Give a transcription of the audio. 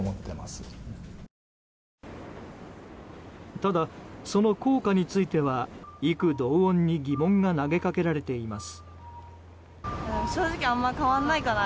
ただ、その効果については異口同音に疑問が投げかけられています。